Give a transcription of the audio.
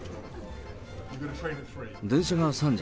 電車が３時？